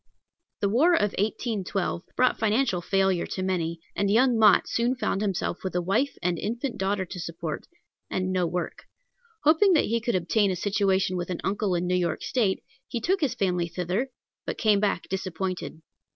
The war of 1812 brought financial failure to many, and young Mott soon found himself with a wife and infant daughter to support, and no work. Hoping that he could obtain a situation with an uncle in New York State, he took his family thither, but came back disappointed.